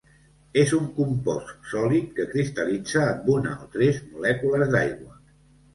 És un compost sòlid que cristal·litza amb una o tres molècules d'aigua.